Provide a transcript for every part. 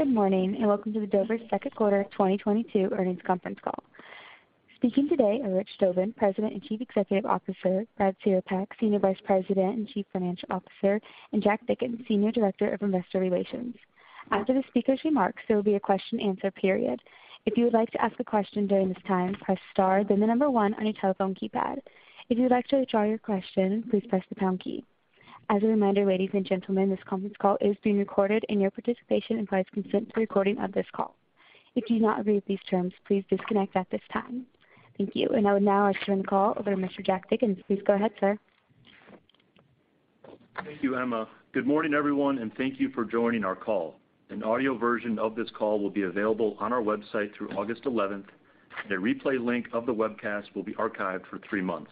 Good morning, and welcome to Dover's second quarter 2022 earnings conference call. Speaking today are Richard Tobin, President and Chief Executive Officer, Brad Cerepak, Senior Vice President and Chief Financial Officer, and Jack Dickens, Senior Director of Investor Relations. After the speakers' remarks, there will be a question and answer period. If you would like to ask a question during this time, press star, then the number one on your telephone keypad. If you'd like to withdraw your question, please press the pound key. As a reminder, ladies and gentlemen, this conference call is being recorded, and your participation implies consent to the recording of this call. If you do not agree with these terms, please disconnect at this time. Thank you. I would now like to turn the call over to Mr. Jack Dickens. Please go ahead, sir. Thank you, Emma. Good morning, everyone, and thank you for joining our call. An audio version of this call will be available on our website through August eleventh. The replay link of the webcast will be archived for three months.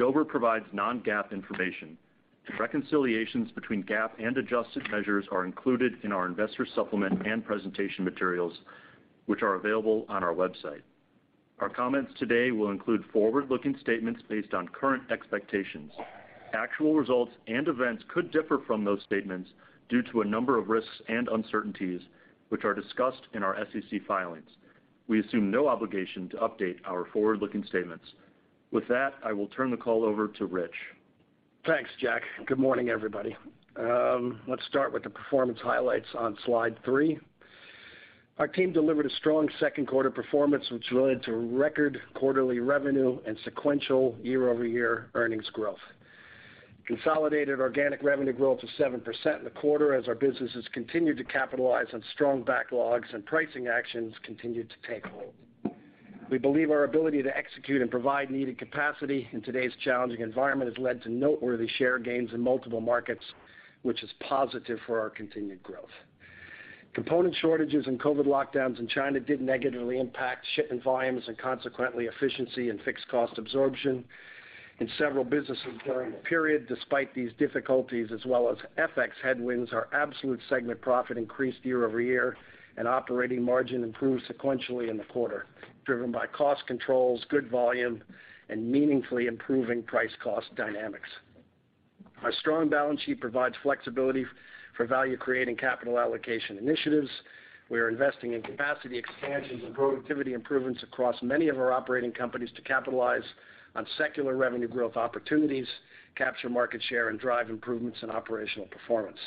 Dover provides non-GAAP information. Reconciliations between GAAP and adjusted measures are included in our investor supplement and presentation materials, which are available on our website. Our comments today will include forward-looking statements based on current expectations. Actual results and events could differ from those statements due to a number of risks and uncertainties, which are discussed in our SEC filings. We assume no obligation to update our forward-looking statements. With that, I will turn the call over to Rich. Thanks, Jack. Good morning, everybody. Let's start with the performance highlights on slide three. Our team delivered a strong second quarter performance, which related to record quarterly revenue and sequential year-over-year earnings growth. Consolidated organic revenue growth was 7% in the quarter as our businesses continued to capitalize on strong backlogs and pricing actions continued to take hold. We believe our ability to execute and provide needed capacity in today's challenging environment has led to noteworthy share gains in multiple markets, which is positive for our continued growth. Component shortages and COVID lockdowns in China did negatively impact shipment volumes and consequently efficiency and fixed cost absorption in several businesses during the period. Despite these difficulties as well as FX headwinds, our absolute segment profit increased year-over-year, and operating margin improved sequentially in the quarter, driven by cost controls, good volume, and meaningfully improving price cost dynamics. Our strong balance sheet provides flexibility for value-creating capital allocation initiatives. We are investing in capacity expansions and productivity improvements across many of our operating companies to capitalize on secular revenue growth opportunities, capture market share, and drive improvements in operational performance.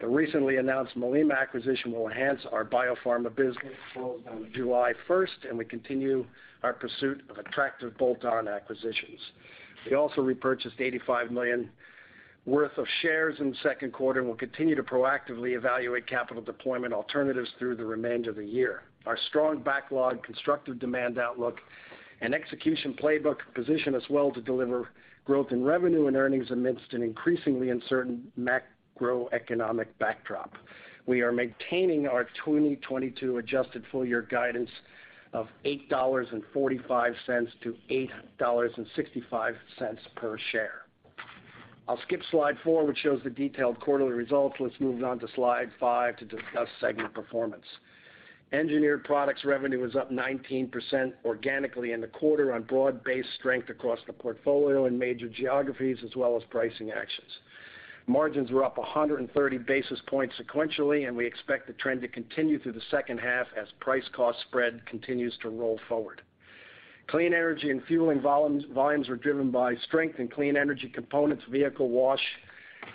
The recently announced Malema acquisition will enhance our biopharma business, closed on July 1st, and we continue our pursuit of attractive bolt-on acquisitions. We also repurchased $85 million worth of shares in the second quarter and will continue to proactively evaluate capital deployment alternatives through the remainder of the year. Our strong backlog, constructive demand outlook, and execution playbook position us well to deliver growth in revenue and earnings amidst an increasingly uncertain macroeconomic backdrop. We are maintaining our 2022 adjusted full year guidance of $8.45-$8.65 per share. I'll skip slide four, which shows the detailed quarterly results. Let's move on to slide five to discuss segment performance. Engineered Products revenue was up 19% organically in the quarter on broad-based strength across the portfolio in major geographies as well as pricing actions. Margins were up 130 basis points sequentially, and we expect the trend to continue through the second half as price cost spread continues to roll forward. Clean Energy and Fueling volumes were driven by strength in clean energy components, vehicle wash,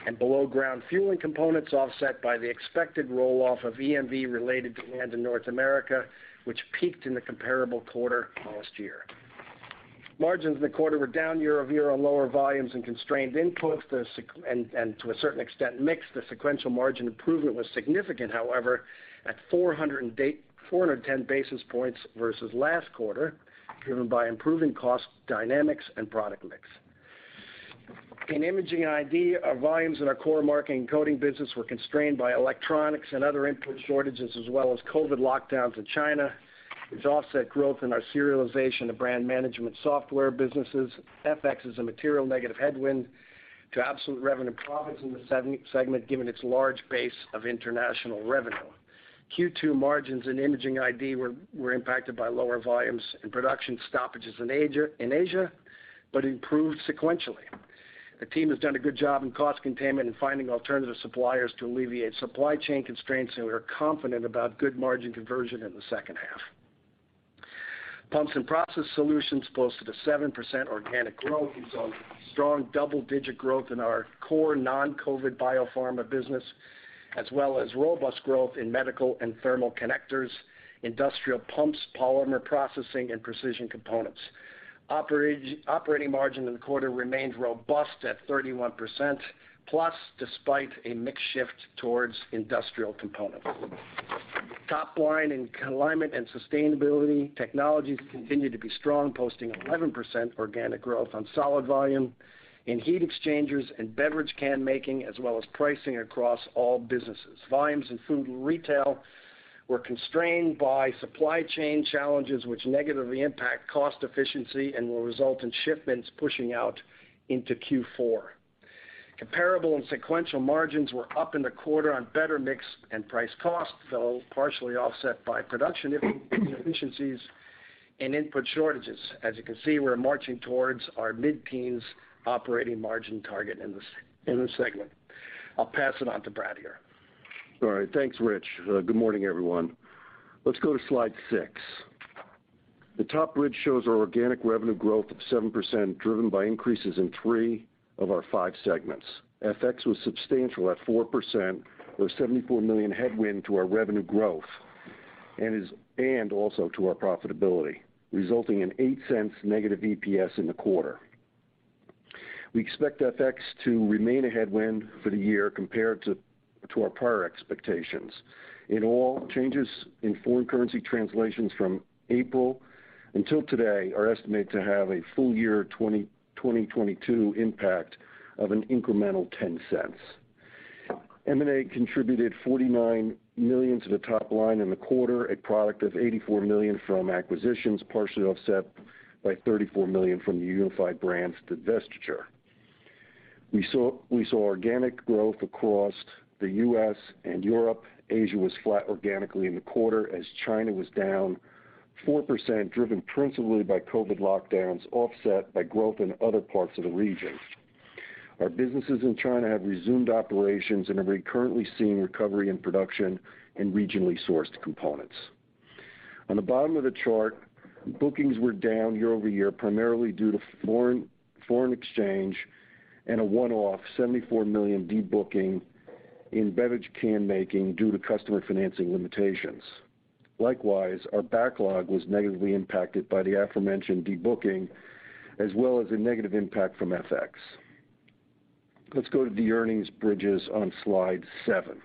and below-ground fueling components, offset by the expected roll-off of EMV-related demand in North America, which peaked in the comparable quarter last year. Margins in the quarter were down year-over-year on lower volumes and constrained inputs, and to a certain extent, mix. The sequential margin improvement was significant, however, at 410 basis points versus last quarter, driven by improving cost dynamics and product mix. In Imaging & Identification, our volumes in our core marking and coding business were constrained by electronics and other input shortages as well as COVID lockdowns in China, which offset growth in our serialization and brand management software businesses. FX is a material negative headwind to absolute revenue profits in the segment, given its large base of international revenue. Q2 margins in Imaging & Identification were impacted by lower volumes and production stoppages in Asia, but improved sequentially. The team has done a good job in cost containment and finding alternative suppliers to alleviate supply chain constraints, and we are confident about good margin conversion in the second half. Pumps & Process Solutions posted a 7% organic growth on strong double-digit growth in our core non-COVID biopharma business, as well as robust growth in medical and thermal connectors, industrial pumps, polymer processing, and precision components. Operating margin in the quarter remained robust at 31%+, despite a mix shift towards industrial components. Top line in Climate & Sustainability Technologies continued to be strong, posting 11% organic growth on solid volume in heat exchangers and beverage can making, as well as pricing across all businesses. Volumes in Food Retail were constrained by supply chain challenges which negatively impact cost efficiency and will result in shipments pushing out into Q4. Comparable and sequential margins were up in the quarter on better mix and price cost, though partially offset by production inefficiencies and input shortages. As you can see, we're marching towards our mid-teens operating margin target in this segment. I'll pass it on to Brad here. All right. Thanks, Rich. Good morning, everyone. Let's go to slide six. The top bridge shows our organic revenue growth of 7% driven by increases in three of our five segments. FX was substantial at 4% or $74 million headwind to our revenue growth and also to our profitability, resulting in -$0.08 EPS in the quarter. We expect FX to remain a headwind for the year compared to our prior expectations. In all, changes in foreign currency translations from April until today are estimated to have a full year 2022 impact of an incremental $0.10. M&A contributed $49 million to the top line in the quarter, a product of $84 million from acquisitions, partially offset by $34 million from the Unified Brands divestiture. We saw organic growth across the U.S. and Europe. Asia was flat organically in the quarter as China was down 4%, driven principally by COVID lockdowns, offset by growth in other parts of the region. Our businesses in China have resumed operations and are currently seeing recovery in production in regionally sourced components. On the bottom of the chart, bookings were down year-over-year, primarily due to foreign exchange and a one-off $74 million debooking in beverage can making due to customer financing limitations. Likewise, our backlog was negatively impacted by the aforementioned debooking, as well as a negative impact from FX. Let's go to the earnings bridges on slide seven.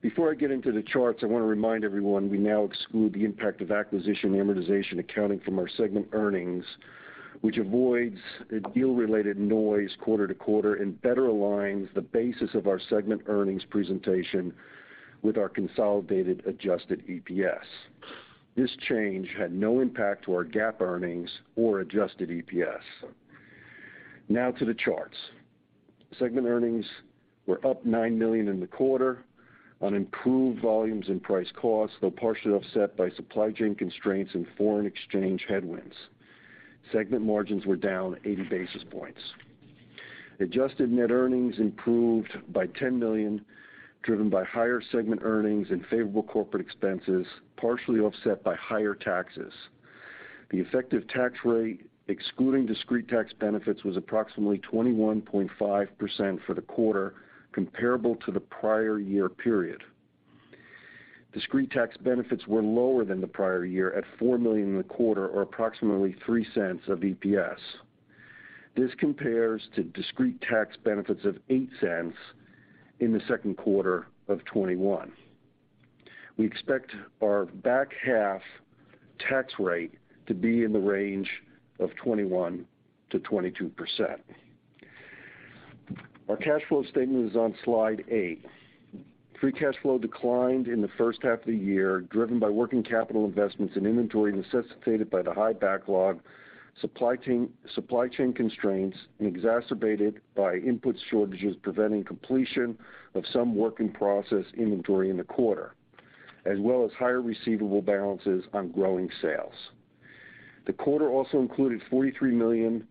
Before I get into the charts, I want to remind everyone we now exclude the impact of acquisition amortization accounting from our segment earnings, which avoids the deal-related noise quarter to quarter and better aligns the basis of our segment earnings presentation with our consolidated adjusted EPS. This change had no impact to our GAAP earnings or adjusted EPS. Now to the charts. Segment earnings were up $9 million in the quarter on improved volumes and price costs, though partially offset by supply chain constraints and foreign exchange headwinds. Segment margins were down 80 basis points. Adjusted net earnings improved by $10 million, driven by higher segment earnings and favorable corporate expenses, partially offset by higher taxes. The effective tax rate, excluding discrete tax benefits, was approximately 21.5% for the quarter, comparable to the prior year period. Discrete tax benefits were lower than the prior year at $4 million in the quarter, or approximately $0.03 of EPS. This compares to discrete tax benefits of 8 cents in the second quarter of 2021. We expect our back half tax rate to be in the range of 21%-22%. Our cash flow statement is on slide eight. Free cash flow declined in the first half of the year, driven by working capital investments and inventory necessitated by the high backlog, supply chain constraints, and exacerbated by input shortages preventing completion of some work in process inventory in the quarter, as well as higher receivable balances on growing sales. The quarter also included $43 million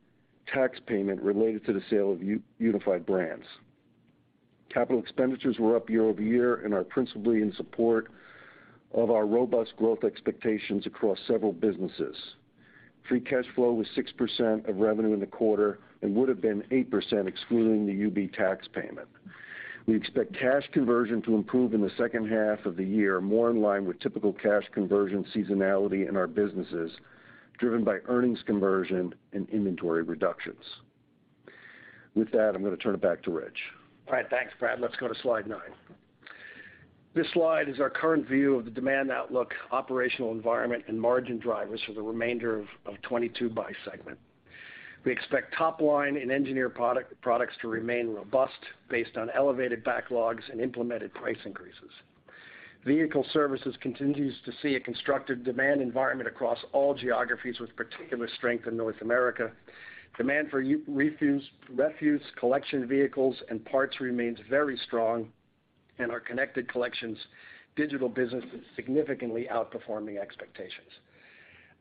tax payment related to the sale of Unified Brands. Capital expenditures were up year-over-year and are principally in support of our robust growth expectations across several businesses. Free cash flow was 6% of revenue in the quarter and would have been 8% excluding the UBT tax payment. We expect cash conversion to improve in the second half of the year, more in line with typical cash conversion seasonality in our businesses, driven by earnings conversion and inventory reductions. With that, I'm going to turn it back to Rich. All right. Thanks, Brad. Let's go to slide nine. This slide is our current view of the demand outlook, operational environment, and margin drivers for the remainder of 2022 by segment. We expect top line in Engineered Products to remain robust based on elevated backlogs and implemented price increases. Vehicle Service Group continues to see a constructive demand environment across all geographies, with particular strength in North America. Demand for refuse collection vehicles and parts remains very strong, and our connected collections digital business is significantly outperforming expectations.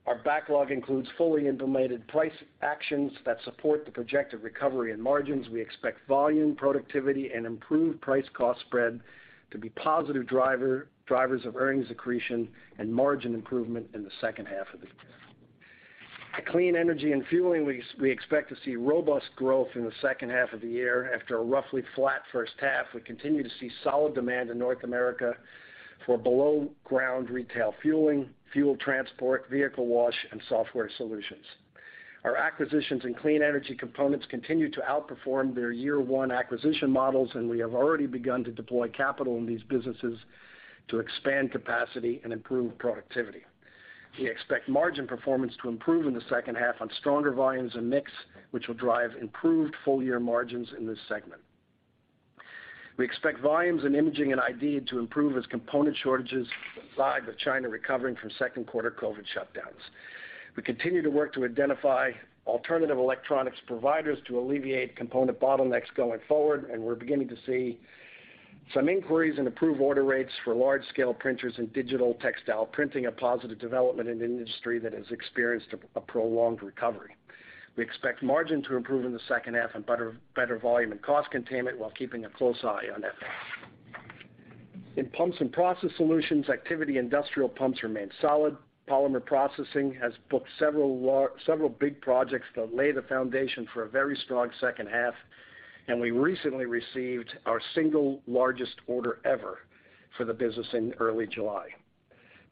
Our backlog includes fully implemented price actions that support the projected recovery in margins. We expect volume, productivity, and improved price cost spread to be positive drivers of earnings accretion and margin improvement in the second half of the year. At Clean Energy and Fueling, we expect to see robust growth in the second half of the year. After a roughly flat first half, we continue to see solid demand in North America for below-ground retail fueling, fuel transport, vehicle wash, and software solutions. Our acquisitions in Clean Energy components continue to outperform their year one acquisition models, and we have already begun to deploy capital in these businesses to expand capacity and improve productivity. We expect margin performance to improve in the second half on stronger volumes and mix, which will drive improved full-year margins in this segment. We expect volumes in Imaging & Identification to improve as component shortages subside, with China recovering from second quarter COVID shutdowns. We continue to work to identify alternative electronics providers to alleviate component bottlenecks going forward, and we're beginning to see some inquiries and approved order rates for large-scale printers and digital textile printing, a positive development in an industry that has experienced a prolonged recovery. We expect margin to improve in the second half and better volume and cost containment while keeping a close eye on FX. In Pumps & Process Solutions, activity in industrial pumps remain solid. Polymer processing has booked several big projects that lay the foundation for a very strong second half, and we recently received our single largest order ever for the business in early July.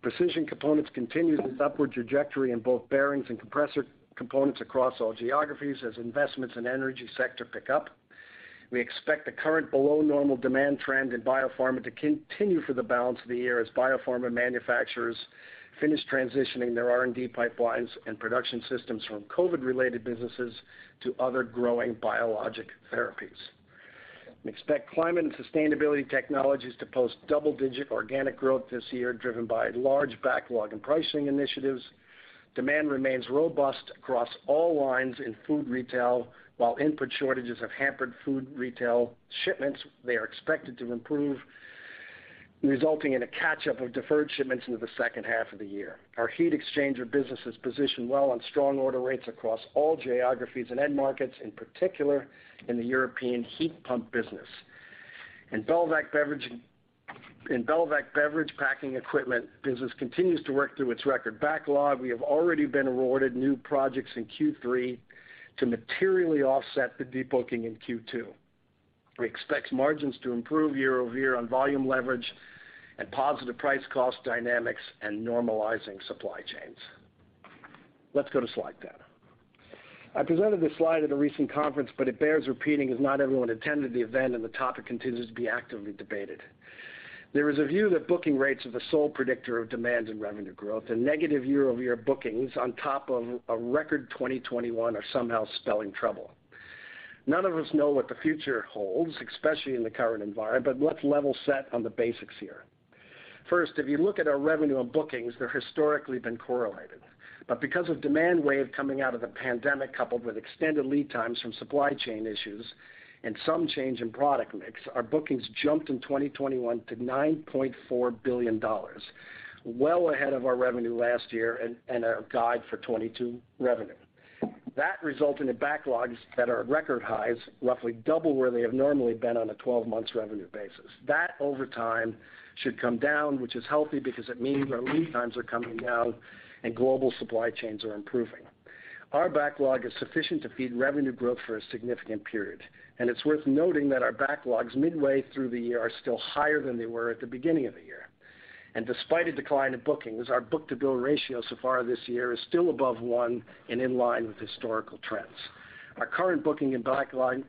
Precision Components continued its upward trajectory in both bearings and compressor components across all geographies as investments in energy sector pick up. We expect the current below-normal demand trend in biopharma to continue for the balance of the year as biopharma manufacturers finish transitioning their R&D pipelines and production systems from COVID-related businesses to other growing biologic therapies. We expect Climate & Sustainability Technologies to post double-digit organic growth this year, driven by large backlog and pricing initiatives. Demand remains robust across all lines in Food Retail, while input shortages have hampered Food Retail shipments, they are expected to improve, resulting in a catch-up of deferred shipments into the second half of the year. Our heat exchanger business is positioned well on strong order rates across all geographies and end markets, in particular, in the European heat pump business. In Belvac beverage packaging equipment business continues to work through its record backlog. We have already been awarded new projects in Q3 to materially offset the debooking in Q2. We expect margins to improve year-over-year on volume leverage and positive price-cost dynamics and normalizing supply chains. Let's go to slide 10. I presented this slide at a recent conference, but it bears repeating as not everyone attended the event, and the topic continues to be actively debated. There is a view that booking rates are the sole predictor of demand and revenue growth, and negative year-over-year bookings on top of a record 2021 are somehow spelling trouble. None of us know what the future holds, especially in the current environment, but let's level set on the basics here. First, if you look at our revenue and bookings, they have historically been correlated. Because of demand wave coming out of the pandemic, coupled with extended lead times from supply chain issues and some change in product mix, our bookings jumped in 2021 to $9.4 billion, well ahead of our revenue last year and our guide for 2022 revenue. That resulted in backlogs that are at record highs, roughly double where they have normally been on a 12-month revenue basis. That over time should come down, which is healthy because it means our lead times are coming down and global supply chains are improving. Our backlog is sufficient to feed revenue growth for a significant period, and it's worth noting that our backlogs midway through the year are still higher than they were at the beginning of the year. Despite a decline in bookings, our book-to-bill ratio so far this year is still above one and in line with historical trends. Our current booking and backlog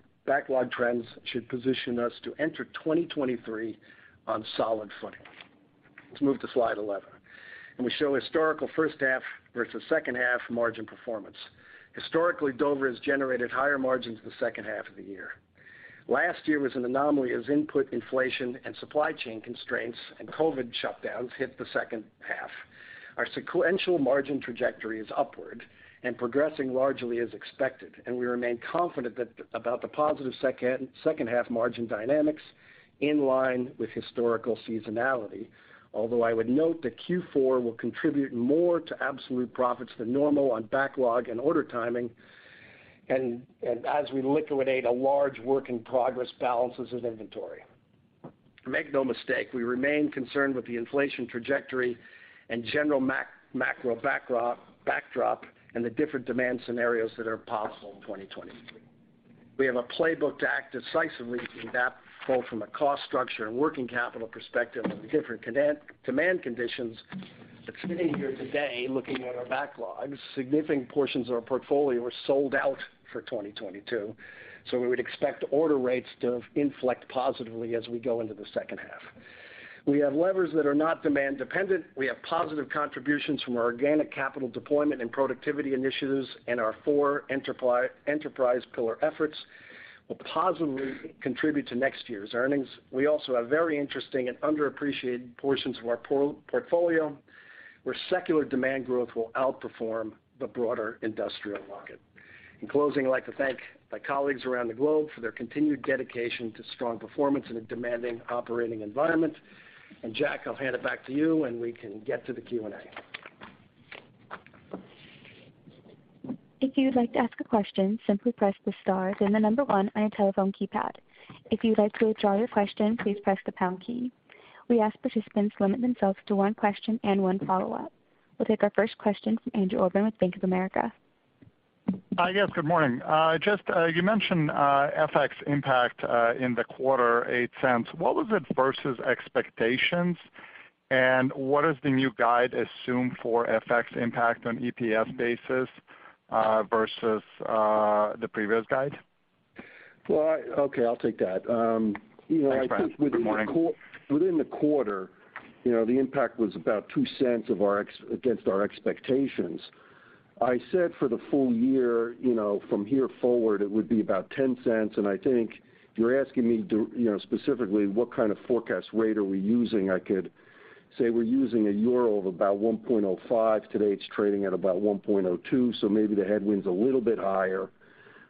trends should position us to enter 2023 on solid footing. Let's move to slide 11, and we show historical first half versus second half margin performance. Historically, Dover has generated higher margins the second half of the year. Last year was an anomaly as input inflation and supply chain constraints and COVID shutdowns hit the second half. Our sequential margin trajectory is upward and progressing largely as expected, and we remain confident about the positive second half margin dynamics in line with historical seasonality. Although I would note that Q4 will contribute more to absolute profits than normal on backlog and order timing, and as we liquidate a large work in progress balances of inventory. Make no mistake, we remain concerned with the inflation trajectory and general macro backdrop and the different demand scenarios that are possible in 2022. We have a playbook to act decisively to adapt both from a cost structure and working capital perspective on the different demand conditions. Sitting here today, looking at our backlogs, significant portions of our portfolio are sold out for 2022, so we would expect order rates to inflect positively as we go into the second half. We have levers that are not demand dependent. We have positive contributions from our organic capital deployment and productivity initiatives, and our four enterprise pillar efforts will positively contribute to next year's earnings. We also have very interesting and underappreciated portions of our portfolio, where secular demand growth will outperform the broader industrial market. In closing, I'd like to thank my colleagues around the globe for their continued dedication to strong performance in a demanding operating environment. Jack, I'll hand it back to you, and we can get to the Q&A. If you would like to ask a question, simply press the star, then the number one on your telephone keypad. If you'd like to withdraw your question, please press the pound key. We ask participants to limit themselves to one question and one follow-up. We'll take our first question from Andrew Obin with Bank of America. Hi, yes, good morning. Just, you mentioned FX impact in the quarter, $0.08. What was it versus expectations? What is the new guide assumed for FX impact on EPS basis versus the previous guide? Well, okay, I'll take that. You know, I think within the quarter. Thanks, Brad. Good morning. Within the quarter, you know, the impact was about $0.02 of our EPS against our expectations. I said for the full year, you know, from here forward, it would be about $0.10. I think you're asking me, you know, specifically what kind of forecast rate are we using. I could say we're using a euro of about 1.05. Today, it's trading at about 1.02, so maybe the headwind's a little bit higher.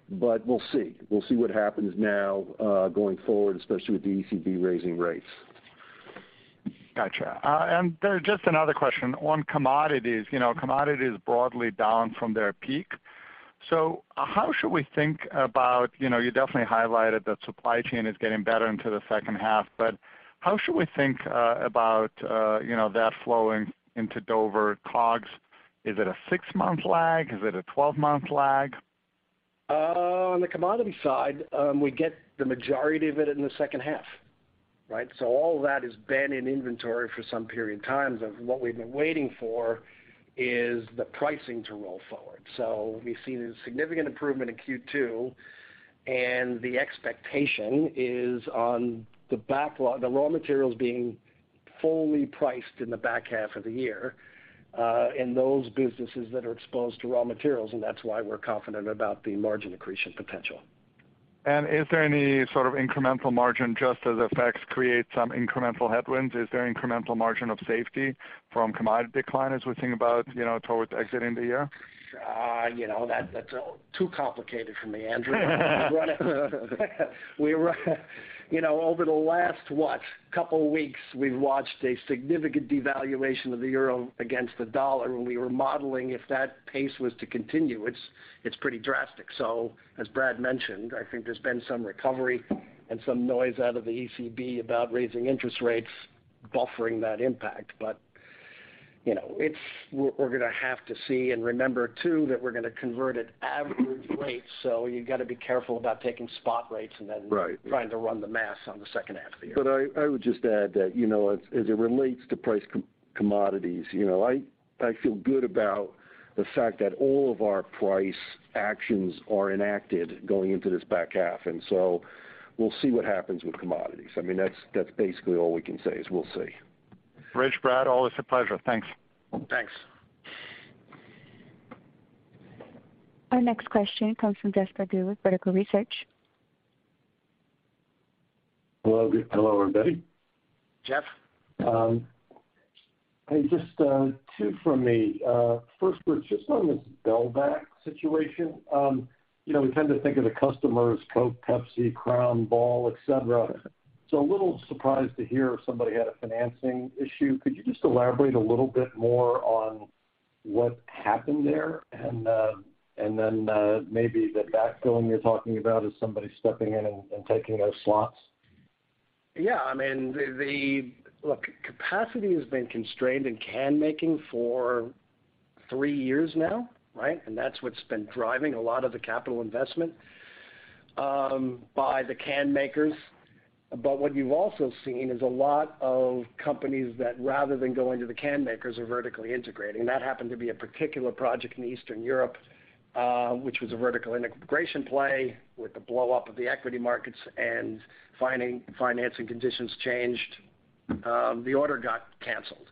We'll see. We'll see what happens now, going forward, especially with the ECB raising rates. Gotcha. Then, just another question on commodities. You know, commodities broadly down from their peak. How should we think about, you know, you definitely highlighted that supply chain is getting better into the second half, but how should we think about, you know, that flowing into Dover COGS? Is it a six-month lag? Is it a 12-month lag? On the commodity side, we get the majority of it in the second half, right? All of that has been in inventory for some period of times, and what we've been waiting for is the pricing to roll forward. We've seen a significant improvement in Q2, and the expectation is on the backlog, the raw materials being fully priced in the back half of the year, in those businesses that are exposed to raw materials, and that's why we're confident about the margin accretion potential. Is there any sort of incremental margin, just as effects create some incremental headwinds? Is there incremental margin of safety from commodity decline as we think about, you know, towards exiting the year? You know, that's too complicated for me, Andrew. We run it. You know, over the last couple weeks, we've watched a significant devaluation of the euro against the dollar, and we were modeling if that pace was to continue. It's pretty drastic. As Brad mentioned, I think there's been some recovery and some noise out of the ECB about raising interest rates buffering that impact. You know, we're gonna have to see. Remember, too, that we're gonna convert at average rates, so you've got to be careful about taking spot rates and then. Right. Trying to run the math on the second half of the year. I would just add that, you know, as it relates to pricing commodities, you know, I feel good about the fact that all of our price actions are enacted going into this back half. We'll see what happens with commodities. I mean, that's basically all we can say is we'll see. Rich, Brad, always a pleasure. Thanks. Thanks. Our next question comes from Jeff Sprague with Vertical Research. Hello. Hello, everybody. Jeff. Hey, just two from me. First, Rich, just on this Belvac situation. You know, we tend to think of the customers, Coke, Pepsi, Crown, Ball, et cetera. A little surprised to hear somebody had a financing issue. Could you just elaborate a little bit more on what happened there? Then, maybe the backfilling you're talking about is somebody stepping in and taking those slots? Yeah. I mean, look, capacity has been constrained in can making for three years now, right? That's what's been driving a lot of the capital investment by the can makers. What you've also seen is a lot of companies that rather than going to the can makers are vertically integrating. That happened to be a particular project in Eastern Europe, which was a vertical integration play with the blow-up of the equity markets and financing conditions changed, the order got canceled.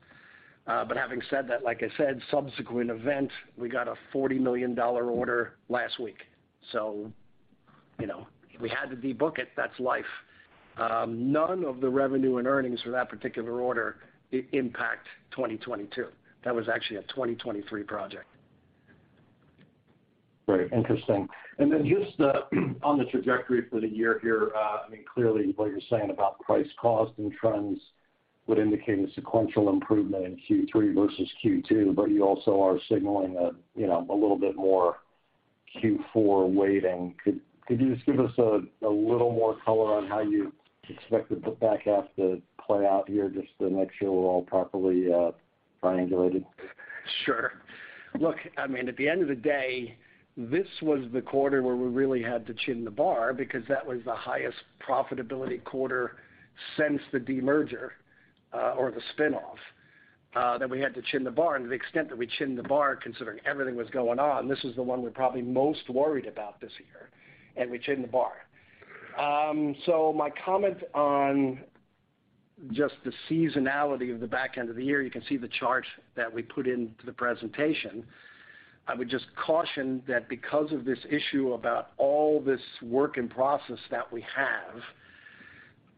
Having said that, like I said, subsequent event, we got a $40 million order last week. You know, we had to de-book it. That's life. None of the revenue and earnings for that particular order impact 2022. That was actually a 2023 project. Great. Interesting. Then just on the trajectory for the year here, I mean, clearly what you're saying about price cost and trends would indicate a sequential improvement in Q3 versus Q2, but you also are signaling a, you know, a little bit more Q4 weighting. Could you just give us a little more color on how you expect the back half to play out here, just to make sure we're all properly triangulated? Sure. Look, I mean, at the end of the day, this was the quarter where we really had to chin the bar because that was the highest profitability quarter since the demerger, or the spin-off, that we had to chin the bar. To the extent that we chinned the bar considering everything was going on, this is the one we're probably most worried about this year, and we chinned the bar. So my comment on just the seasonality of the back end of the year, you can see the chart that we put into the presentation. I would just caution that because of this issue about all this work in process that we have,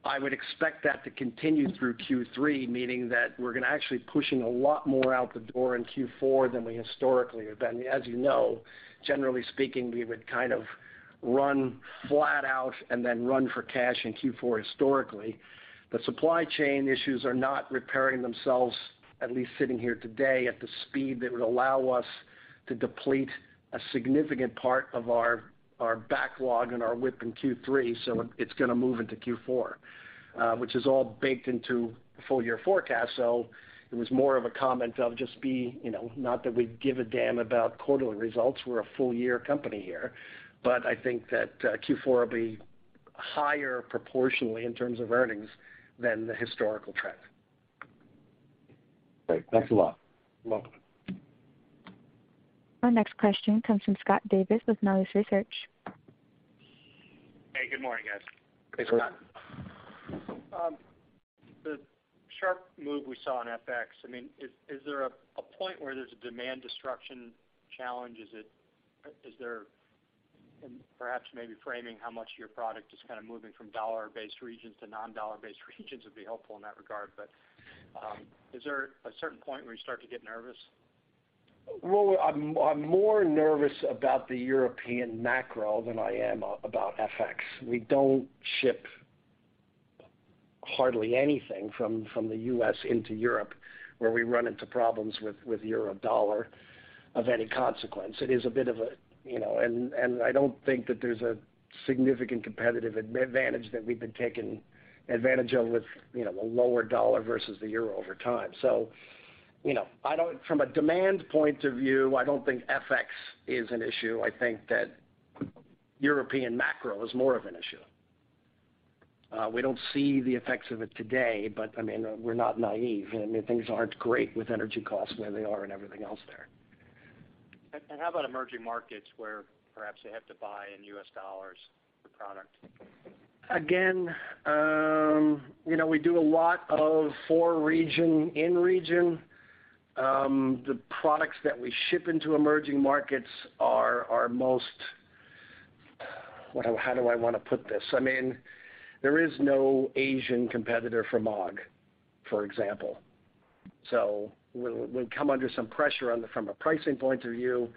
I would expect that to continue through Q3, meaning that we're gonna actually pushing a lot more out the door in Q4 than we historically have been. As you know, generally speaking, we would kind of run flat out and then run for cash in Q4 historically. The supply chain issues are not repairing themselves, at least sitting here today, at the speed that would allow us to deplete a significant part of our backlog and our WIP in Q3, so it's gonna move into Q4, which is all baked into the full year forecast. It was more of a comment of just be, you know, not that we give a damn about quarterly results, we're a full year company here, but I think that Q4 will be higher proportionally in terms of earnings than the historical trend. Great. Thanks a lot. You're welcome. Our next question comes from Scott Davis with Melius Research. Hey, good morning, guys. Hey, Scott. The sharp move we saw in FX, I mean, is there a point where there's a demand destruction challenge? Perhaps framing how much of your product is kind of moving from dollar-based regions to non-dollar-based regions would be helpful in that regard. Is there a certain point where you start to get nervous? I'm more nervous about the European macro than I am about FX. We don't ship hardly anything from the U.S. into Europe, where we run into problems with euro dollar of any consequence. It is a bit of a, you know, I don't think that there's a significant competitive advantage that we've been taking advantage of with, you know, a lower dollar versus the euro over time. From a demand point of view, I don't think FX is an issue. I think that European macro is more of an issue. We don't see the effects of it today, but I mean, we're not naive. I mean, things aren't great with energy costs where they are and everything else there. How about emerging markets, where perhaps they have to buy in US dollars for product? Again, you know, we do a lot of for region, in region. The products that we ship into emerging markets. What, how do I wanna put this? I mean, there is no Asian competitor for Maag, for example. So we'll come under some pressure from a pricing point of view,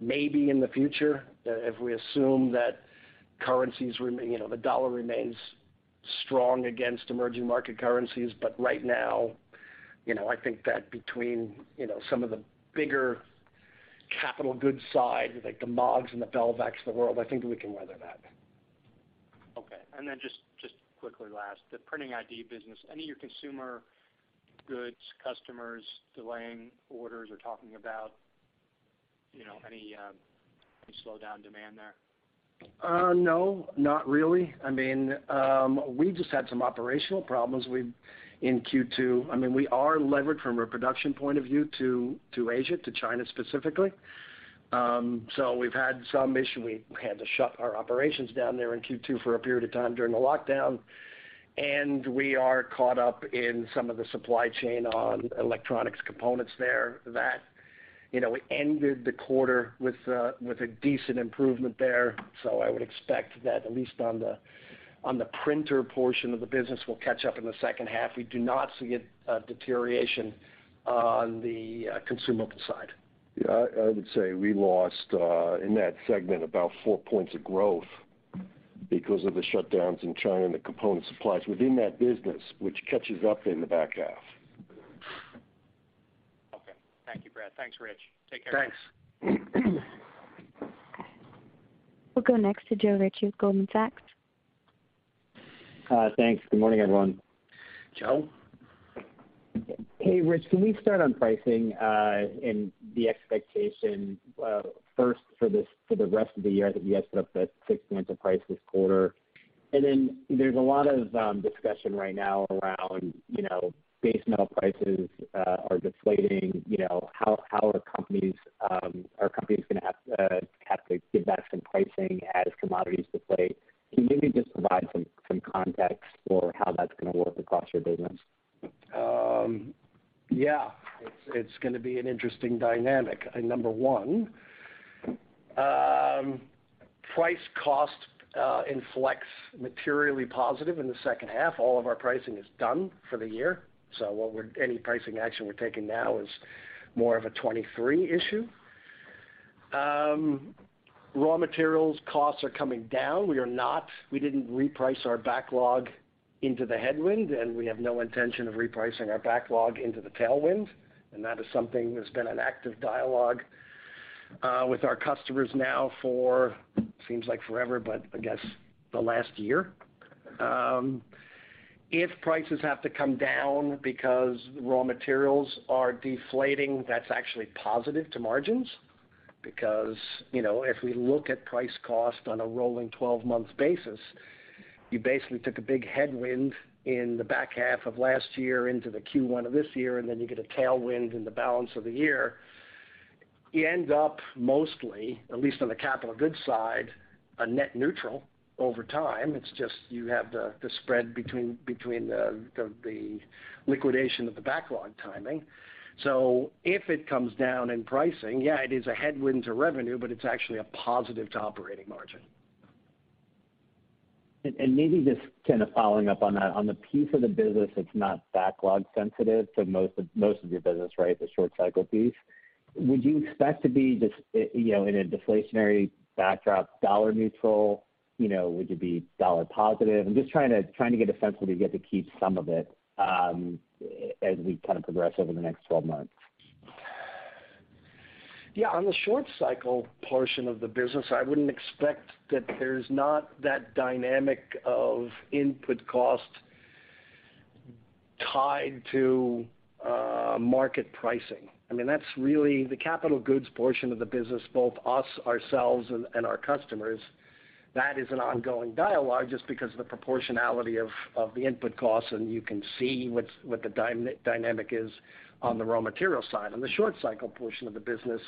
maybe in the future, if we assume that the dollar remains strong against emerging market currencies. But right now, you know, I think that between, you know, some of the bigger capital goods side, like the Maags and the Belvacs of the world, I think we can weather that. Okay. Just quickly last, the Imaging ID business, any of your consumer goods customers delaying orders or talking about, you know, any slowdown in demand there? No, not really. I mean, we just had some operational problems in Q2. I mean, we are levered from a production point of view to Asia, to China specifically. So we've had some issue. We had to shut our operations down there in Q2 for a period of time during the lockdown, and we are caught up in some of the supply chain on electronics components there. That, you know, ended the quarter with a decent improvement there. So I would expect that at least on the printer portion of the business, we'll catch up in the second half. We do not see a deterioration on the consumable side. Yeah, I would say we lost in that segment about four points of growth because of the shutdowns in China and the component supplies within that business, which catches up in the back half. Okay. Thank you, Brad. Thanks, Rich. Take care. Thanks. We'll go next to Joe Ritchie with Goldman Sachs. Thanks. Good morning, everyone. Joe. Hey, Rich, can we start on pricing and the expectation first for the rest of the year that you guys put up that 6 points of price this quarter. There's a lot of discussion right now around, you know, base metal prices are deflating. You know, how are companies gonna have to give back some pricing as commodities deflate? Can you maybe just provide some context for how that's gonna work across your business? Yeah. It's gonna be an interesting dynamic. Number one, price-cost inflects materially positive in the second half. All of our pricing is done for the year. So any pricing action we're taking now is more of a 2023 issue. Raw materials costs are coming down. We didn't reprice our backlog into the headwind, and we have no intention of repricing our backlog into the tailwind, and that is something that's been an active dialogue with our customers now for what seems like forever, but I guess the last year. If prices have to come down because raw materials are deflating, that's actually positive to margins because, you know, if we look at price cost on a rolling twelve-month basis, you basically took a big headwind in the back half of last year into the Q1 of this year, and then you get a tailwind in the balance of the year. You end up mostly, at least on the capital goods side, a net neutral over time. It's just you have the spread between the liquidation of the backlog timing. If it comes down in pricing, yeah, it is a headwind to revenue, but it's actually a positive to operating margin. Maybe just kind of following up on that, on the piece of the business that's not backlog sensitive for most of your business, right, the short cycle piece, would you expect to be just, you know, in a deflationary backdrop, dollar neutral? You know, would you be dollar positive? I'm just trying to get a sense whether you get to keep some of it, as we kind of progress over the next 12 months. Yeah. On the short cycle portion of the business, I wouldn't expect that there's not that dynamic of input cost tied to market pricing. I mean, that's really the capital goods portion of the business, both ourselves and our customers, that is an ongoing dialogue just because of the proportionality of the input costs, and you can see what the dynamic is on the raw material side. On the short cycle portion of the business,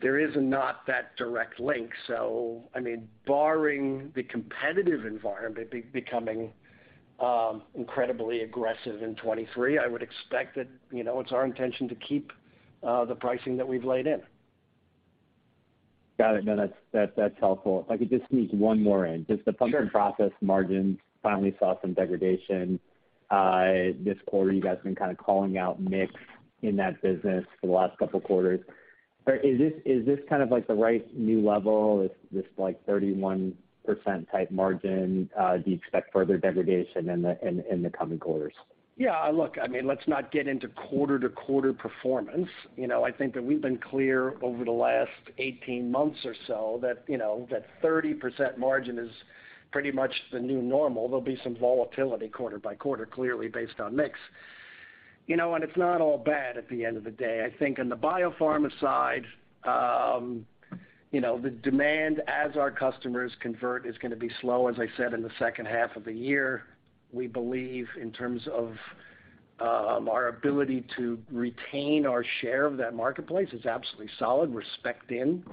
there is not that direct link. I mean, barring the competitive environment becoming incredibly aggressive in 2023, I would expect that, you know, it's our intention to keep the pricing that we've laid in. Got it. No, that's helpful. If I could just sneak one more in. Just the Pumps & Process margins finally saw some degradation this quarter. You guys have been kind of calling out mix in that business for the last couple of quarters. Is this kind of like the right new level? Is this like 31% type margin? Do you expect further degradation in the coming quarters? Yeah, look, I mean, let's not get into quarter-to-quarter performance. You know, I think that we've been clear over the last 18 months or so that, you know, that 30% margin is pretty much the new normal. There'll be some volatility quarter by quarter, clearly based on mix. You know, and it's not all bad at the end of the day. I think on the biopharma side, you know, the demand as our customers convert is gonna be slow, as I said, in the second half of the year. We believe in terms of, our ability to retain our share of that marketplace is absolutely solid. We're specced in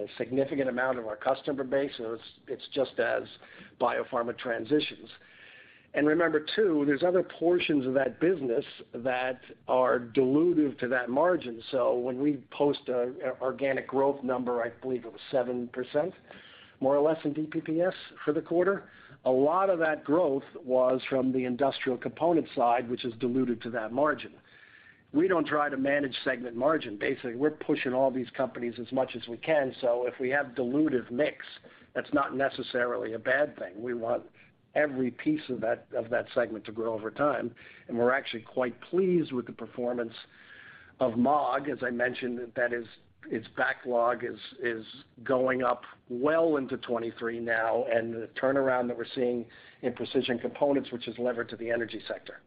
a significant amount of our customer base, so it's just as biopharma transitions. Remember too, there's other portions of that business that are dilutive to that margin. When we post an organic growth number, I believe it was 7% more or less in DPPS for the quarter, a lot of that growth was from the industrial component side, which is dilutive to that margin. We don't try to manage segment margin. Basically, we're pushing all these companies as much as we can, so if we have dilutive mix, that's not necessarily a bad thing. We want every piece of that segment to grow over time. We're actually quite pleased with the performance of Maag. As I mentioned, that is its backlog is going up well into 2023 now, and the turnaround that we're seeing in precision components, which is levered to the energy sector.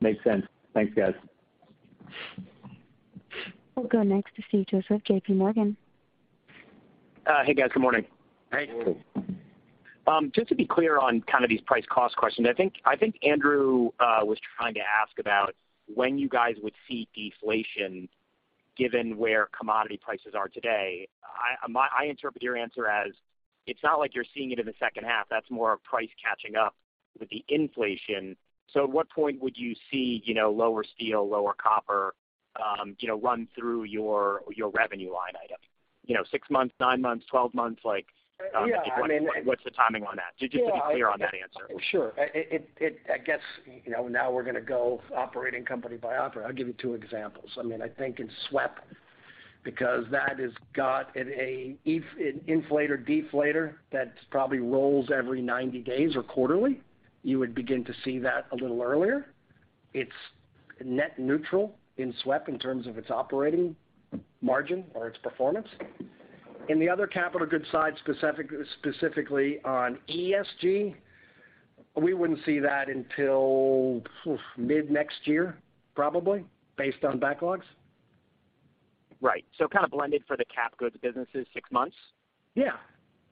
Makes sense. Thanks, guys. We'll go next to Steve Tusa, J.P. Morgan. Hey, guys. Good morning. Hey. Morning. Just to be clear on kind of these price cost questions. I think Andrew was trying to ask about when you guys would see deflation given where commodity prices are today. I interpret your answer as it's not like you're seeing it in the second half, that's more of price catching up with the inflation. So at what point would you see, you know, lower steel, lower copper, you know, run through your revenue line item? You know, 6 months, 9 months, 12 months? Yeah. I mean. What's the timing on that? Just to be clear on that answer. Sure. I guess, you know, now we're gonna go operating company by operating. I'll give you two examples. I mean, I think in SWEP, because that has got an inflation deflator that probably rolls every 90 days or quarterly, you would begin to see that a little earlier. It's net neutral in SWEP in terms of its operating margin or its performance. In the other capital goods side, specifically on ESG, we wouldn't see that until mid-next year, probably, based on backlogs. Right. Kind of blended for the cap goods businesses, six months? Yeah.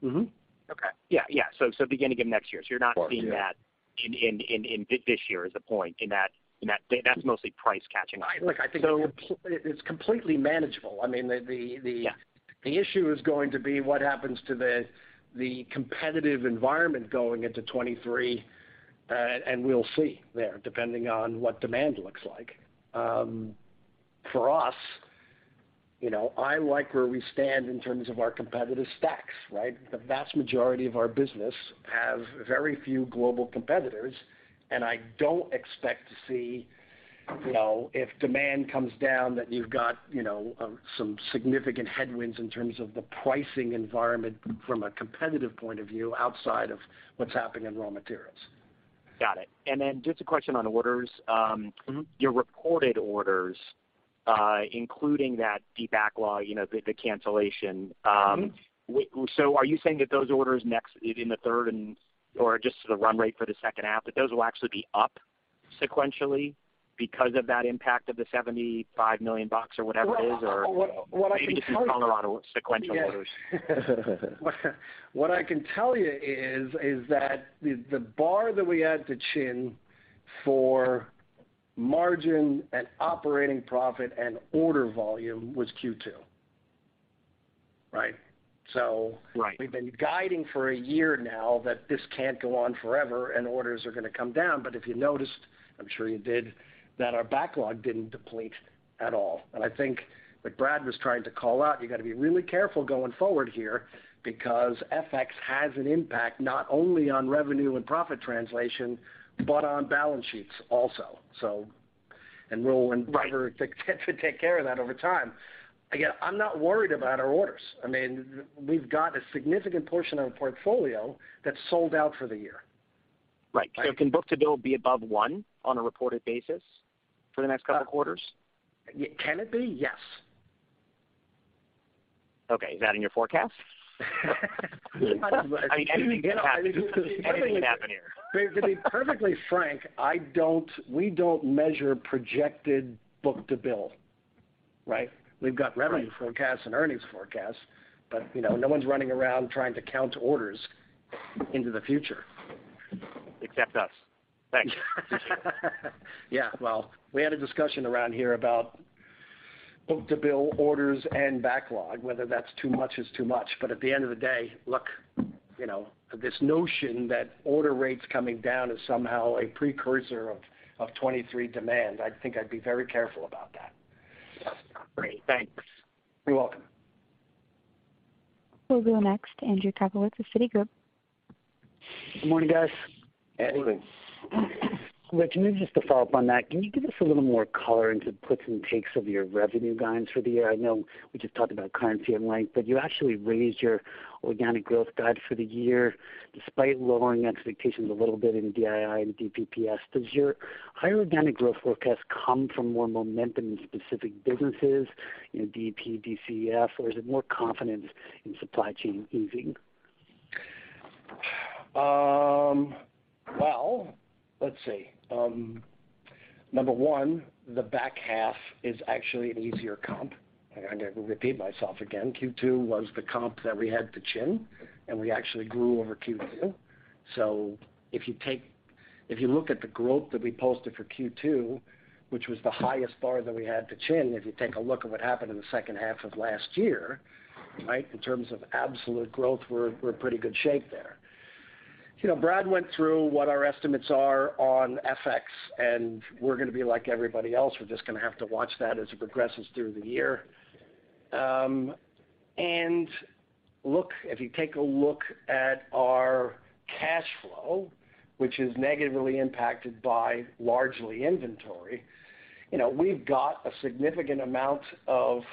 Mm-hmm. Okay. Yeah, yeah. Beginning of next year. You're not seeing that in this year is the point in that. That's mostly price catching item. Look, I think it's completely manageable. I mean. Yeah The issue is going to be what happens to the competitive environment going into 2023, and we'll see there, depending on what demand looks like. For us, you know, I like where we stand in terms of our competitive stacks, right? The vast majority of our business have very few global competitors, and I don't expect to see, you know, if demand comes down, that you've got, you know, some significant headwinds in terms of the pricing environment from a competitive point of view outside of what's happening in raw materials. Got it. Just a question on orders. Mm-hmm Your reported orders, including that deep backlog, you know, the cancellation. Mm-hmm So are you saying that those orders next, in the third or just the run rate for the second half, that those will actually be up sequentially because of that impact of the $75 million bucks or whatever it is? Or What I can tell you. Maybe just color on sequential orders. Yes. What I can tell you is that the bar that we had to clear for margin and operating profit and order volume was Q2. Right? So. Right... We've been guiding for a year now that this can't go on forever and orders are gonna come down. If you noticed, I'm sure you did, that our backlog didn't deplete at all. I think what Brad was trying to call out, you gotta be really careful going forward here because FX has an impact not only on revenue and profit translation, but on balance sheets also. We'll endeavor- Right... to take care of that over time. Again, I'm not worried about our orders. I mean, we've got a significant portion of our portfolio that's sold out for the year. Right Can book-to-bill be above one on a reported basis for the next couple of quarters? Can it be? Yes. Okay. Is that in your forecast? I mean, anything can happen here. To be perfectly frank, we don't measure projected book-to-bill. Right? Right. We've got revenue forecasts and earnings forecasts, but, you know, no one's running around trying to count orders into the future. Except us. Thanks. Yeah. Well, we had a discussion around here about book-to-bill orders and backlog, whether that's too much is too much. At the end of the day, look, you know, this notion that order rates coming down is somehow a precursor of 2023 demand. I think I'd be very careful about that. Great. Thanks. You're welcome. We'll go next to Andrew Kaplowitz of Citigroup. Good morning, guys. Morning. Rich, maybe just to follow up on that, can you give us a little more color on the puts and takes of your revenue guidance for the year? I know we just talked about currency and FX, but you actually raised your organic growth guidance for the year despite lowering expectations a little bit in DII and DPPS. Does your higher organic growth forecast come from more momentum in specific businesses, you know, DEP, DCEF, or is it more confidence in supply chain easing? Well, let's see. Number one, the back half is actually an easier comp. I'm gonna repeat myself again. Q2 was the comp that we had to clear, and we actually grew over Q2. If you look at the growth that we posted for Q2, which was the highest bar that we had to clear, if you take a look at what happened in the second half of last year, right, in terms of absolute growth, we're in pretty good shape there. You know, Brad went through what our estimates are on FX, and we're gonna be like everybody else. We're just gonna have to watch that as it progresses through the year. Look, if you take a look at our cash flow, which is negatively impacted by largely inventory, you know, we've got a significant amount of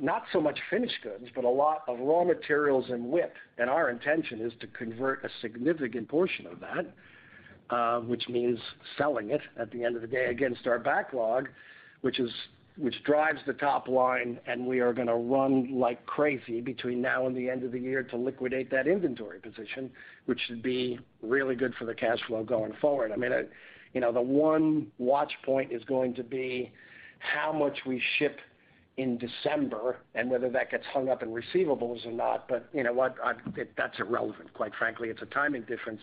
not so much finished goods, but a lot of raw materials and WIP. Our intention is to convert a significant portion of that, which means selling it at the end of the day against our backlog, which drives the top line, and we are gonna run like crazy between now and the end of the year to liquidate that inventory position, which should be really good for the cash flow going forward. I mean, you know, the one watch point is going to be how much we ship in December and whether that gets hung up in receivables or not. You know what? That, that's irrelevant, quite frankly. It's a timing difference.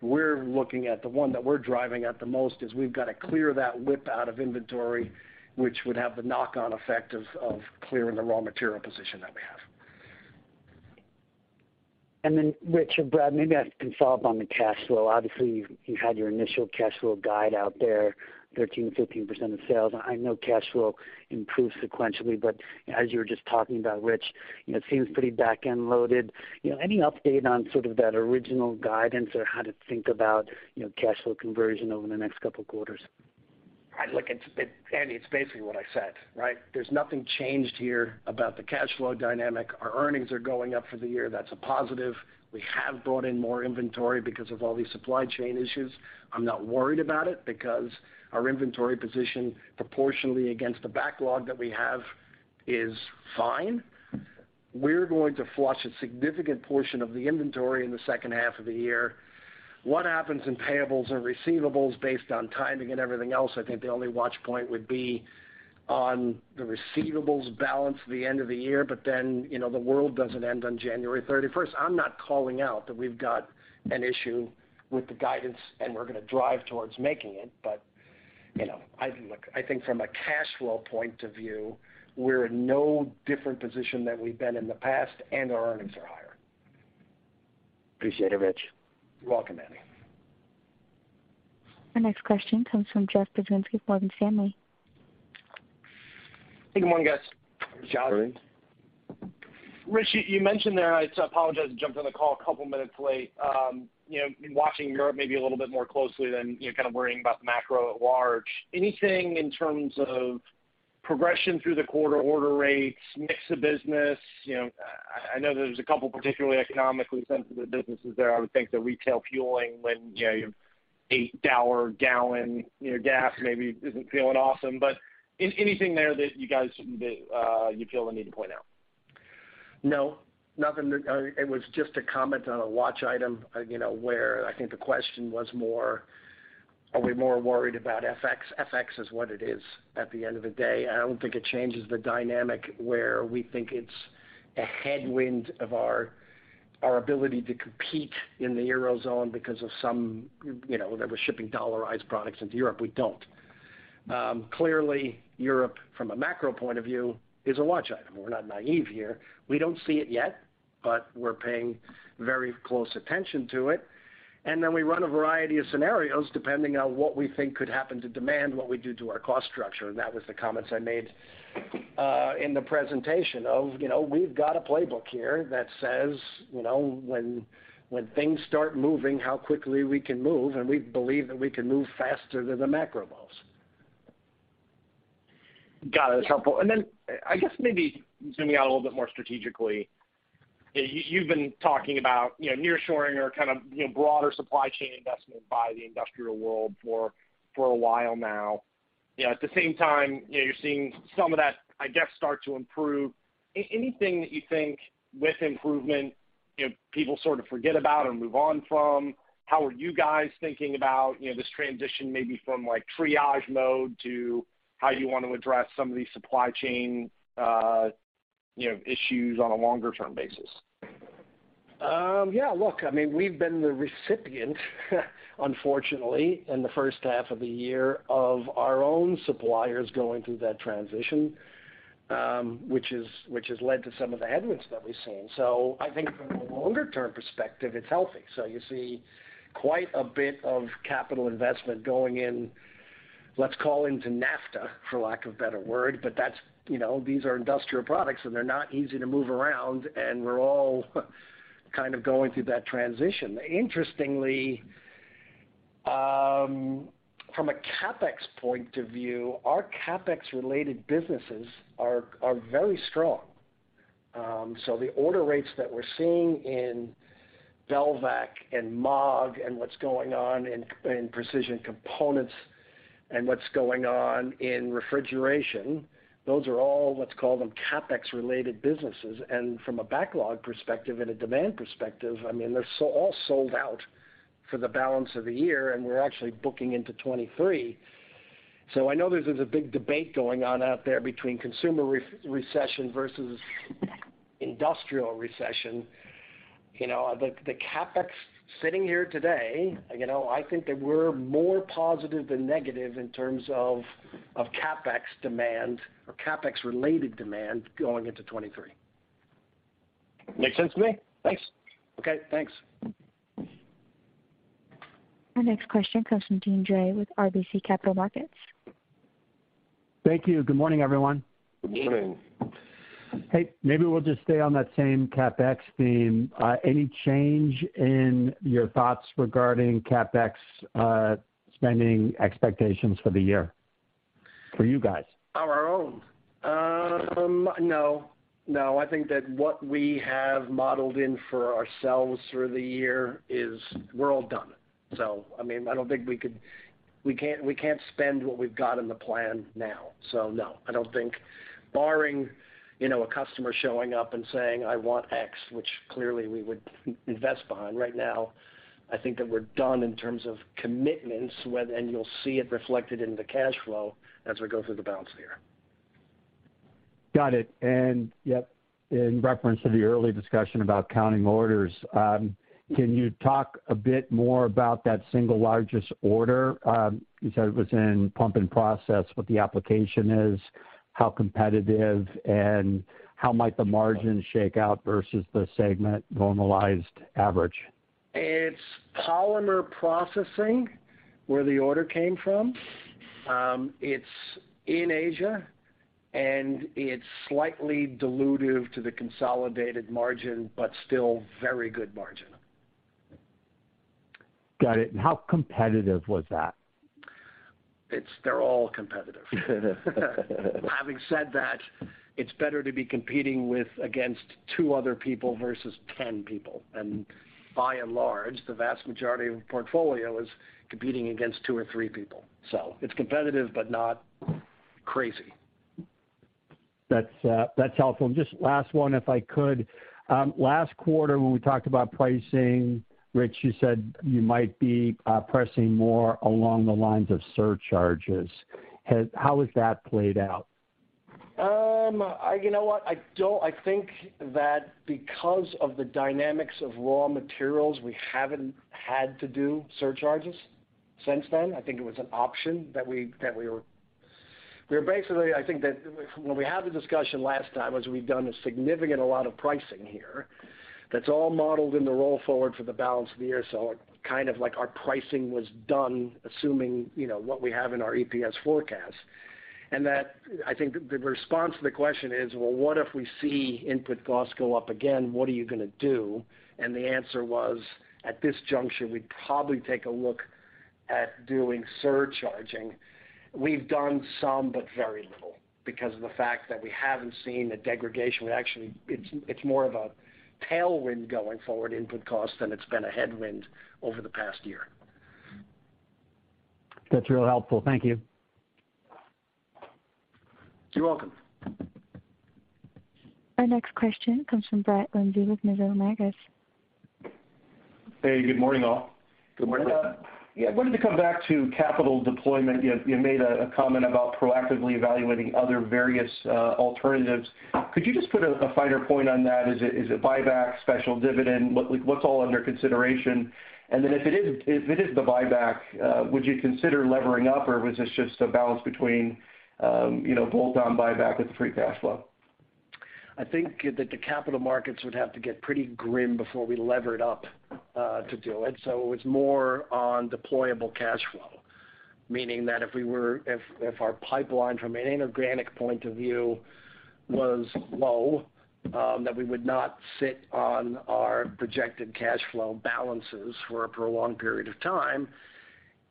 We're looking at the one that we're driving at the most is we've got to clear that WIP out of inventory, which would have the knock-on effect of clearing the raw material position that we have. Rich or Brad, maybe I can follow up on the cash flow. Obviously, you've had your initial cash flow guide out there, 13%-15% of sales. I know cash flow improves sequentially, but as you were just talking about, Rich, you know, it seems pretty back-end loaded. You know, any update on sort of that original guidance or how to think about, you know, cash flow conversion over the next couple quarters? Look, Andy, it's basically what I said, right? There's nothing changed here about the cash flow dynamic. Our earnings are going up for the year. That's a positive. We have brought in more inventory because of all these supply chain issues. I'm not worried about it because our inventory position proportionally against the backlog that we have is fine. We're going to flush a significant portion of the inventory in the second half of the year. What happens in payables and receivables based on timing and everything else, I think the only watch point would be on the receivables balance at the end of the year. Then, you know, the world doesn't end on January 31st. I'm not calling out that we've got an issue with the guidance, and we're gonna drive towards making it. You know, look, I think from a cash flow point of view, we're in no different position than we've been in the past, and our earnings are higher. Appreciate it, Rich. You're welcome, Andy. Our next question comes from Jeff Adelson of Morgan Stanley. Good morning, guys. Jeff. Rich, you mentioned there. I apologize, I jumped on the call a couple minutes late. You know, watching Europe maybe a little bit more closely than, you know, kind of worrying about the macro at large. Anything in terms of progression through the quarter order rates, mix of business? You know, I know there's a couple particularly economically sensitive businesses there. I would think that retail fueling when, you know, your $8 a gallon, you know, gas maybe isn't feeling awesome. Anything there that you guys, you feel the need to point out? It was just a comment on a watch item, you know, where I think the question was more, are we more worried about FX? FX is what it is at the end of the day. I don't think it changes the dynamic where we think it's a headwind of our ability to compete in the Eurozone because of some, you know, that we're shipping dollarized products into Europe. We don't. Clearly, Europe, from a macro point of view, is a watch item. We're not naive here. We don't see it yet, but we're paying very close attention to it. Then we run a variety of scenarios depending on what we think could happen to demand, what we do to our cost structure. That was the comments I made in the presentation of, you know, we've got a playbook here that says, you know, when things start moving, how quickly we can move, and we believe that we can move faster than the macro moves. Got it. That's helpful. Then I guess maybe zooming out a little bit more strategically. You've been talking about, you know, nearshoring or kind of, you know, broader supply chain investment by the industrial world for a while now. You know, at the same time, you know, you're seeing some of that, I guess, start to improve. Anything that you think with improvement, you know, people sort of forget about or move on from? How are you guys thinking about, you know, this transition maybe from like triage mode to how you want to address some of these supply chain, you know, issues on a longer term basis? Yeah, look, I mean, we've been the recipient unfortunately in the first half of the year of our own suppliers going through that transition, which has led to some of the headwinds that we've seen. I think from a longer-term perspective, it's healthy. You see quite a bit of capital investment going in, let's call it NAFTA for lack of a better word. That's, you know, these are industrial products, and they're not easy to move around, and we're all kind of going through that transition. Interestingly, from a CapEx point of view, our CapEx related businesses are very strong. The order rates that we're seeing in Belvac and Maag and what's going on in Precision Components and what's going on in Refrigeration, those are all what we call them CapEx related businesses. From a backlog perspective and a demand perspective, I mean, they're so all sold out for the balance of the year, and we're actually booking into 2023. I know there's a big debate going on out there between consumer recession versus industrial recession. You know, the CapEx sitting here today, you know, I think that we're more positive than negative in terms of CapEx demand or CapEx related demand going into 2023. Makes sense to me. Thanks. Okay, thanks. Our next question comes from Deane Dray with RBC Capital Markets. Thank you. Good morning, everyone. Good morning. Hey, maybe we'll just stay on that same CapEx theme. Any change in your thoughts regarding CapEx spending expectations for the year for you guys? Our own? No. No, I think that what we have modeled in for ourselves through the year is we're all done. I mean, I don't think we can't spend what we've got in the plan now. No. I don't think barring, you know, a customer showing up and saying, "I want X," which clearly we would invest behind. Right now, I think that we're done in terms of commitments, whether and you'll see it reflected in the cash flow as we go through the balance of the year. Got it. Yep, in reference to the earlier discussion about counting orders, can you talk a bit more about that single largest order? You said it was in Pumps and Process, what the application is, how competitive, and how might the margin shake out versus the segment normalized average? It's polymer processing where the order came from. It's in Asia, and it's slightly dilutive to the consolidated margin, but still very good margin. Got it. How competitive was that? They're all competitive. Having said that, it's better to be competing against two other people versus ten people. By and large, the vast majority of the portfolio is competing against two or three people. It's competitive, but not crazy. That's helpful. Just last one, if I could. Last quarter when we talked about pricing, Rich, you said you might be pressing more along the lines of surcharges. How has that played out? You know what? I don't think that because of the dynamics of raw materials, we haven't had to do surcharges since then. I think it was an option that we were basically. I think that when we had the discussion last time was we've done a significant lot of pricing here that's all modeled in the roll forward for the balance of the year. Kind of like our pricing was done, assuming, you know, what we have in our EPS forecast. That I think the response to the question is, well, what if we see input costs go up again? What are you gonna do? The answer was, at this juncture, we'd probably take a look at doing surcharging. We've done some, but very little because of the fact that we haven't seen a degradation. It's more of a tailwind going forward input cost than it's been a headwind over the past year. That's real helpful. Thank you. You're welcome. Our next question comes from Brett Linzey with Mizuho Americas. Hey, good morning, all. Good morning. Yeah, I wanted to come back to capital deployment. You made a comment about proactively evaluating other various alternatives. Could you just put a finer point on that? Is it buyback, special dividend? What, like what's all under consideration? If it is the buyback, would you consider levering up, or was this just a balance between you know, bolt-on buyback with the free cash flow? I think that the capital markets would have to get pretty grim before we levered up to do it. It was more on deployable cash flow. Meaning that if our pipeline from an inorganic point of view was low, that we would not sit on our projected cash flow balances for a prolonged period of time.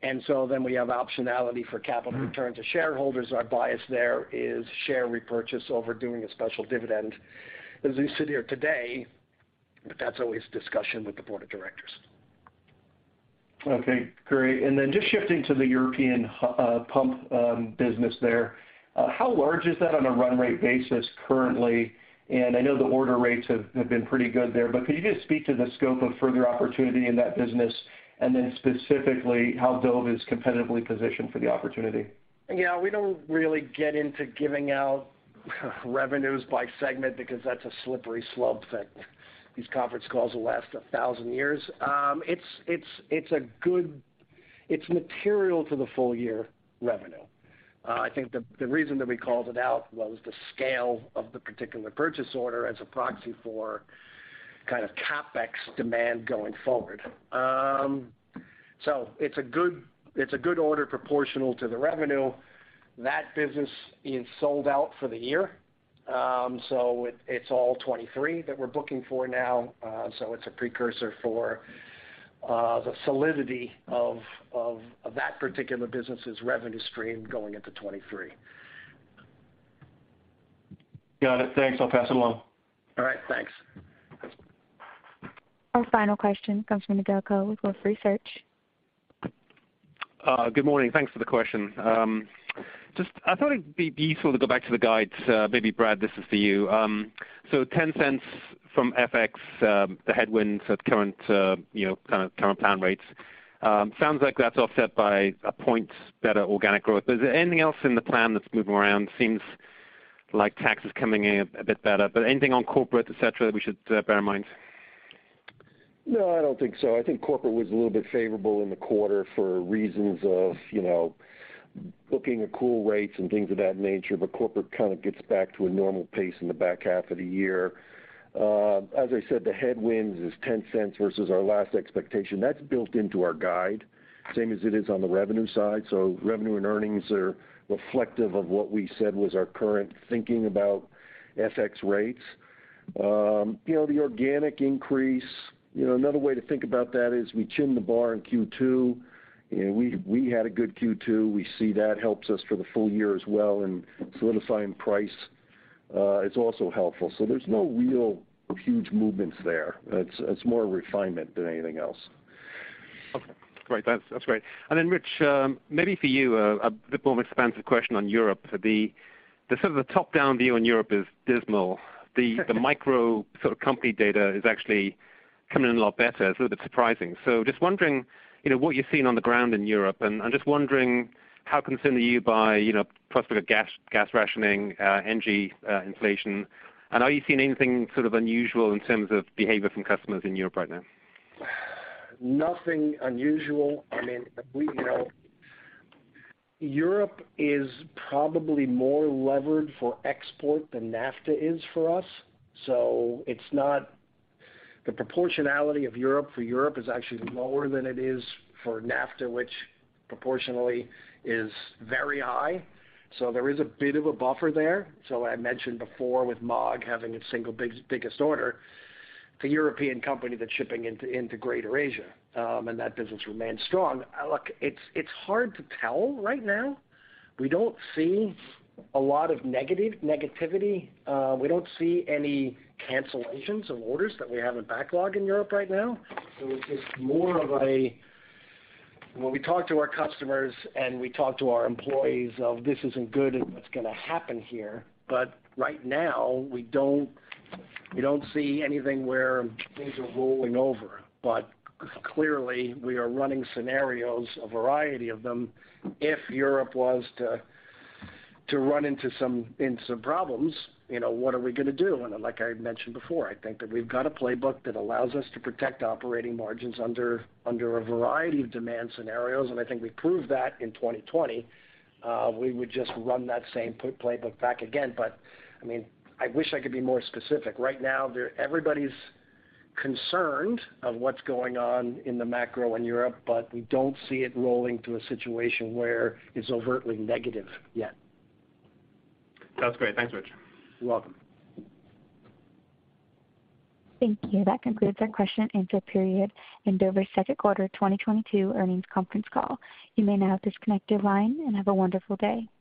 We have optionality for capital return to shareholders. Our bias there is share repurchase over doing a special dividend as we sit here today, but that's always a discussion with the board of directors. Okay, great. Just shifting to the European pump business there. How large is that on a run rate basis currently? I know the order rates have been pretty good there, but could you just speak to the scope of further opportunity in that business? Specifically, how Dover is competitively positioned for the opportunity. Yeah, we don't really get into giving out revenues by segment because that's a slippery slope that these conference calls will last a thousand years. It's material to the full year revenue. I think the reason that we called it out was the scale of the particular purchase order as a proxy for kind of CapEx demand going forward. It's a good order proportional to the revenue. That business is sold out for the year. It's all 2023 that we're booking for now. It's a precursor for the solidity of that particular business' revenue stream going into 2023. Got it. Thanks. I'll pass it along. All right. Thanks. Our final question comes from Nigel Coe with Wolfe Research. Good morning. Thanks for the question. Just I thought it'd be useful to go back to the guides. Maybe Brad, this is for you. So $0.10 from FX, the headwinds at current, you know, kind of current pound rates, sounds like that's offset by a point better organic growth. Is there anything else in the plan that's moving around? Seems like tax is coming in a bit better, but anything on corporate, et cetera, that we should bear in mind? No, I don't think so. I think corporate was a little bit favorable in the quarter for reasons of, you know, bookings at lower rates and things of that nature. Corporate kind of gets back to a normal pace in the back half of the year. As I said, the headwinds is $0.10 versus our last expectation. That's built into our guide, same as it is on the revenue side. Revenue and earnings are reflective of what we said was our current thinking about FX rates. You know, the organic increase, you know, another way to think about that is we raised the bar in Q2, and we had a good Q2. We see that helps us for the full year as well. Solidifying price is also helpful, so there's no real huge movements there. It's more refinement than anything else. Okay. Great. That's great. Rich, maybe for you, a bit more expansive question on Europe. The sort of the top-down view on Europe is dismal. The micro sort of company data is actually coming in a lot better. It's a little bit surprising. Just wondering, you know, what you're seeing on the ground in Europe, and I'm just wondering how concerned are you by, you know, prospect of gas rationing, energy inflation, and are you seeing anything sort of unusual in terms of behavior from customers in Europe right now? Nothing unusual. I mean, you know, Europe is probably more levered for export than NAFTA is for us. The proportionality of Europe for Europe is actually lower than it is for NAFTA, which proportionally is very high. There is a bit of a buffer there. I mentioned before with Maag having its single biggest order, it's a European company that's shipping into Greater Asia, and that business remains strong. Look, it's hard to tell right now. We don't see a lot of negativity. We don't see any cancellations of orders that we have in backlog in Europe right now. It's just more of a When we talk to our customers and we talk to our employees, this isn't good and what's gonna happen here, but right now, we don't see anything where things are rolling over. Clearly, we are running scenarios, a variety of them, if Europe was to run into some problems, you know, what are we gonna do? Like I mentioned before, I think that we've got a playbook that allows us to protect operating margins under a variety of demand scenarios, and I think we proved that in 2020. We would just run that same playbook back again. I mean, I wish I could be more specific. Right now, everybody's concerned about what's going on in the macro in Europe, but we don't see it rolling to a situation where it's overtly negative yet. Sounds great. Thanks, Rich. You're welcome. Thank you. That concludes our question and answer period and Dover's Second Quarter 2022 Earnings Conference Call. You may now disconnect your line and have a wonderful day.